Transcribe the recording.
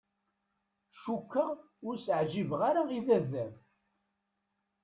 Cukkeɣ ur s-ɛǧibeɣ ara i baba-m.